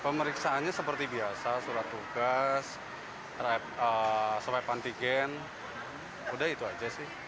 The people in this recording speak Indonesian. pemeriksaannya seperti biasa surat tugas swab antigen udah itu aja sih